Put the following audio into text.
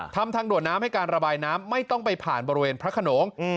ทางด่วนน้ำให้การระบายน้ำไม่ต้องไปผ่านบริเวณพระขนง